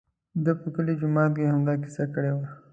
ده په کلي جومات کې همدا کیسه کړې وه.